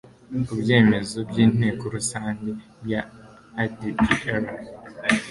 ku byemezo by Inteko Rusange ya ADEPR